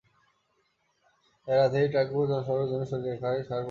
তাই রাতেই ট্রাকগুলো জনসভার জন্য সরিয়ে রাখায় গতকাল সার পরিবহন বন্ধ থাকে।